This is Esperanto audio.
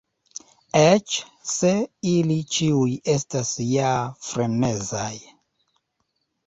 Eĉ se ili ĉiuj estas ja frenezaj.